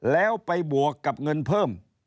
แล้วไปบวกกับเงินเพิ่ม